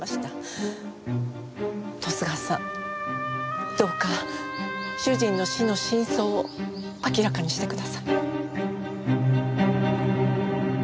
十津川さんどうか主人の死の真相を明らかにしてください。